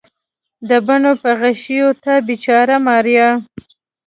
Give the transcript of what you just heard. د بڼو په غشیو تا بیچاره ماریا